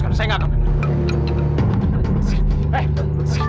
kamu orangnya kamu orangnya